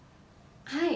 はい。